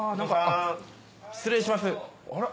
失礼しますあれ？